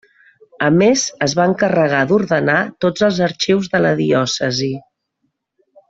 A més, es va encarregar d'ordenar tots els arxius de la diòcesi.